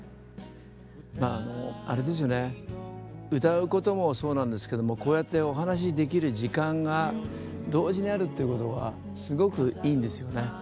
まああのあれですよね歌うこともそうなんですけどもこうやってお話しできる時間が同時にあるっていうことがすごくいいんですよね。